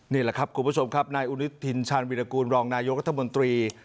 นี่แหละครับคุณผู้ชมครับนายอุทิศชาญวิรากูลรองนายกรัฐมนตรี